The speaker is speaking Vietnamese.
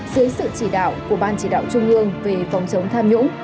dưới sự chỉ đạo của ban chỉ đạo trung ương về phòng chống tham nhũng